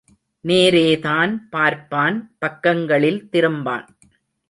நேரேதான் பார்ப்பான் பக்கங்களில் திரும்பான்.